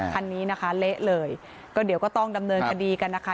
คันนี้นะคะเละเลยก็เดี๋ยวก็ต้องดำเนินคดีกันนะคะ